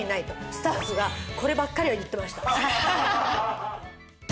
スタッフがこればっかりは言ってました。